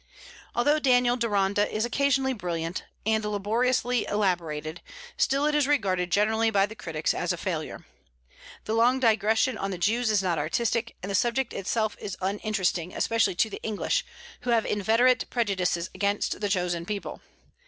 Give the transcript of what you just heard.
Although "Daniel Deronda" is occasionally brilliant, and laboriously elaborated, still it is regarded generally by the critics as a failure. The long digression on the Jews is not artistic; and the subject itself is uninteresting, especially to the English, who have inveterate prejudices against the chosen people.